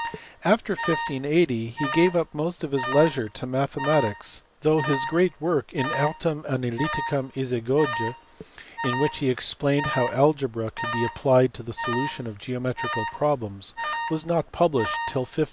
After 1580 he gave up most of his leisure to mathe matics, though his great work In Artem Analyticam Isagoye in which he explained how algebra could be applied to the solution of geometrical problems was not published till 1591.